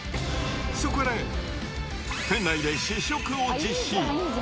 そこで、店内で試食を実施。